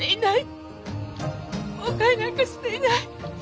後悔なんかしていない。